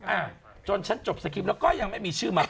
อ่าจนฉันจบสกิปแล้วก็ยังไม่มีชื่อมะตูม